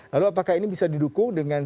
lalu apakah ini bisa didukung dengan